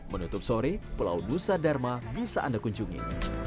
menutup sore pulau nusa dharma bisa anda kunjungi